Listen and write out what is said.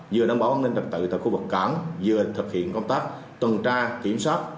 vừa đảm bảo an ninh trật tự tại khu vực cảng vừa thực hiện công tác tuần tra kiểm soát